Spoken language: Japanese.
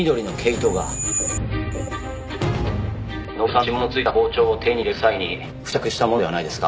登戸さんの指紋の付いた包丁を手に入れる際に付着したものではないですか？